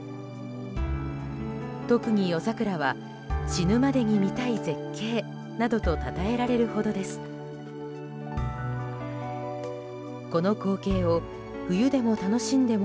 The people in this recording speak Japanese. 特に、夜桜は死ぬまでに見たい絶景などとたたえられるほどです。